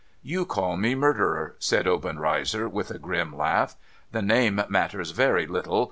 * You call me murderer,' said Obenreizer, with a grim laugh. * The name matters very little.